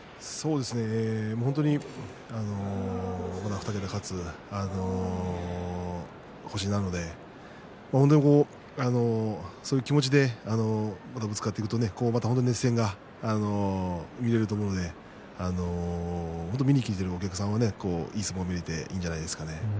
本当に２桁勝つ星なのでそういう気持ちでぶつかっていくと熱戦が見られると思いますので来ているお客さんはいい相撲が見られていいんじゃないですか。